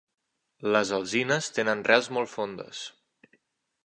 Les alzines tenen rels molt fondes.